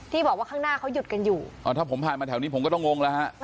บอกว่าข้างหน้าเขาหยุดกันอยู่อ๋อถ้าผมผ่านมาแถวนี้ผมก็ต้องงงแล้วฮะ